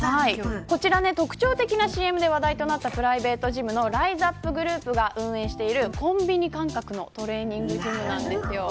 特徴的なＣＭで話題になったプライベートジムのライザップが運営しているコンビニ感覚のトレーニングジムなんです。